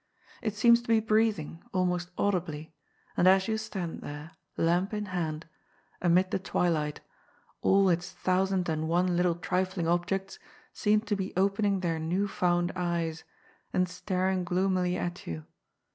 It seems to be breathing, almost audibly, and as you stand there, lamp in hand, amid the twilight, all its thousand and one little trifling objects seem to be opening their new found eyes and staring gloomily at you.